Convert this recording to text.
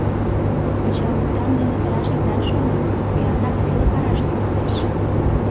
Пычалгутан дене пераш итат шоно — виянрак веле караш тӱҥалеш...